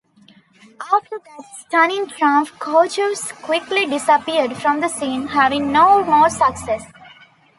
After that stunning triumph Korjus quickly disappeared from the scene, having no more success.